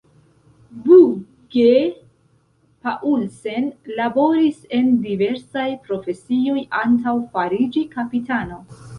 Bugge-Paulsen laboris en diversaj profesioj antaŭ fariĝi kapitano.